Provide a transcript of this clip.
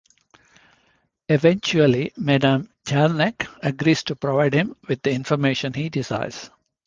Eventually, Madame Jarnac agrees to provide him with the information he desires.